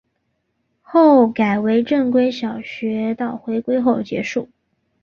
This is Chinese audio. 后改为正规小学到回归后结束。